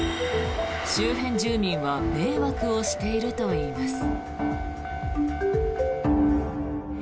周辺住民は迷惑をしているといいます。